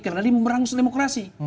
karena dia mau berangus demokrasi